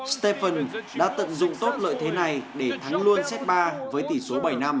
stephen đã tận dụng tốt lợi thế này để thắng luôn xét ba với tỷ số bảy năm